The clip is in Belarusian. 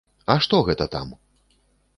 А што гэта там?